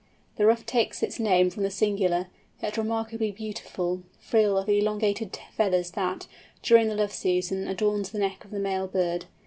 The Ruff takes it name from the singular, yet remarkably beautiful, frill of elongated feathers that, during the love season, adorns the neck of the male bird.